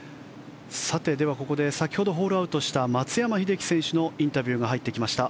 ではここで先ほどホールアウトした松山英樹選手のインタビューが入ってきました。